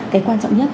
cái quan trọng nhất